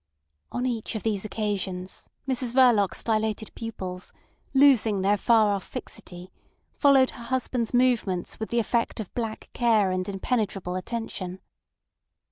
On each of these occasions Mrs Verloc's dilated pupils, losing their far off fixity, followed her husband's movements with the effect of black care and impenetrable attention.